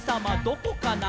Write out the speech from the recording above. どこかな？」